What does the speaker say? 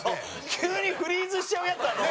急にフリーズしちゃうやつ。